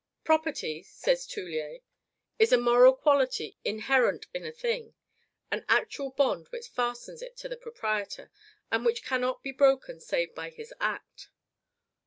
"Property," says Toullier, "is a MORAL QUALITY inherent in a thing; AN ACTUAL BOND which fastens it to the proprietor, and which cannot be broken save by his act."